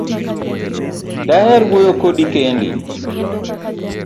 Daher wuoyo Kodi kendi